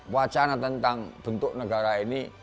wacana tentang bentuk negara ini